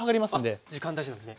あっ時間大事なんですね。